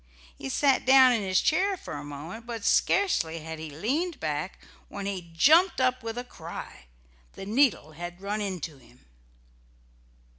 He sat down in his chair for a moment, but scarcely had he leaned back, when he jumped up with a cry. The needle had run into him.